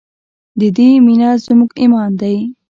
د دې مینه زموږ ایمان دی